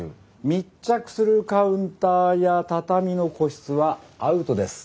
密着するカウンターや畳の個室はアウトです。